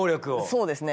そうですね。